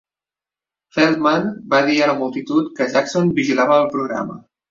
Feldman va dir a la multitud que Jackson vigilava el programa.